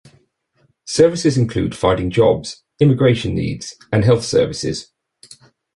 Services include finding jobs, immigration needs, and health services.